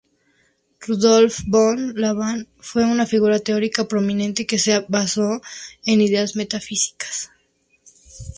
Rudolf von Laban fue una figura teórica prominente que se basó en ideas metafísicas.